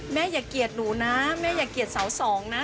อย่าเกลียดหนูนะแม่อย่าเกลียดสาวสองนะ